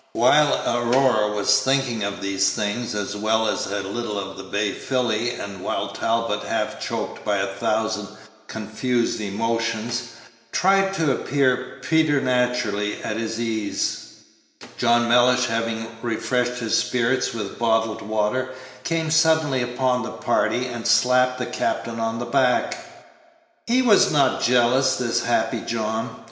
While Aurora was thinking of these things, as well as a little of the bay filly, and while Talbot, half choked by a thousand confused emotions, tried to appear preternaturally at his ease, John Mellish, having refreshed his spirits with bottled beer, came suddenly upon the party, and slapped the captain on the back. He was not jealous, this happy John.